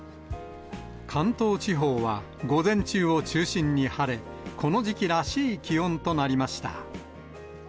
関東地方は午前中を中心に晴れ、この時期らしい気温となりました。